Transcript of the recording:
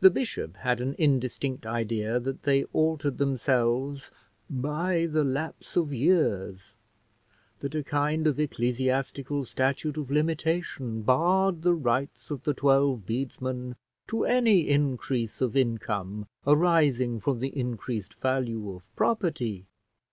The bishop had an indistinct idea that they altered themselves by the lapse of years; that a kind of ecclesiastical statute of limitation barred the rights of the twelve bedesmen to any increase of income arising from the increased value of property.